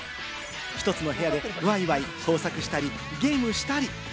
１つの部屋でワイワイ工作したりゲームをしたり。